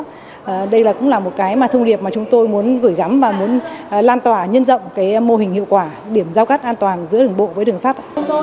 thì đây cũng là một cái mà thông điệp mà chúng tôi muốn gửi gắm và muốn lan tỏa nhân rộng cái mô hình hiệu quả điểm giao cắt an toàn giữa đường bộ với đường sắt